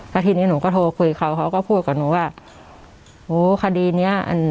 แล้วทีนี้หนูก็โทรคุยเขาเขาก็พูดกับหนูว่าโอ้คดีเนี้ย